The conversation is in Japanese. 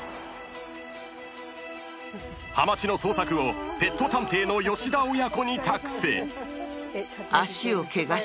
［はまちの捜索をペット探偵の吉田親子に託す］